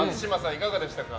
いかがでしたか？